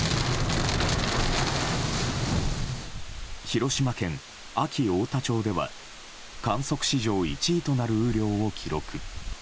広島県安芸太田町では観測史上１位となる雨量を記録。